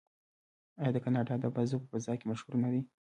آیا د کاناډا بازو په فضا کې مشهور نه دی؟